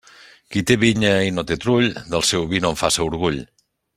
Qui té vinya i no té trull, del seu vi no en faça orgull.